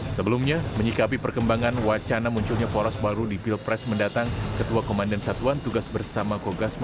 sebelumnya menyikapi perkembangan wacana munculnya poros baru di pilpres mendatang ketua komandan satuan tugas bersama kogasma